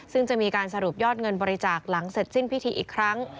ซึ่งจะมีการสรุปยอดเงินบริจาคหลังเสร็จสิ้นพิธีอีกครั้ง